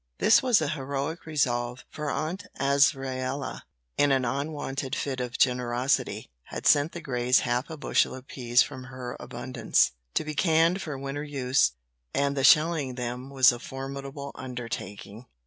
This was a heroic resolve, for Aunt Azraella, in an unwonted fit of generosity, had sent the Greys half a bushel of peas from her abundance, to be canned for winter use, and the shelling them was a formidable undertaking.